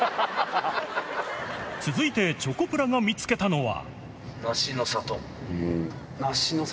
続いて、チョコプラが見つけ梨の里。